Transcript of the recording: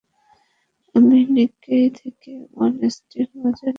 আমি নিক্কেই থেকে Wall Street বাজার নিয়ে এসেছি।